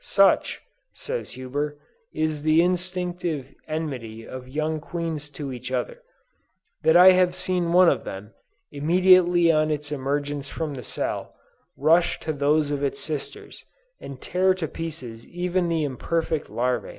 'Such,' says Huber, 'is the instinctive enmity of young queens to each other, that I have seen one of them, immediately on its emergence from the cell, rush to those of its sisters, and tear to pieces even the imperfect larvæ.